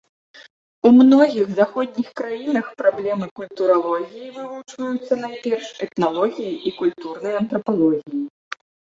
У многіх заходніх краінах праблемы культуралогіі вывучаюцца найперш этналогіяй і культурнай антрапалогіяй.